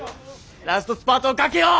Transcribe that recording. ラストスパートかけよう！